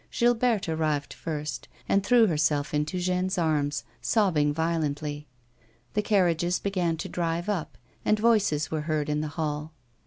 Gilberte arrived first, and threw herself into Jeanne's arms, sobbing violently. The carriages began to drive up, and voices were heard in the hall.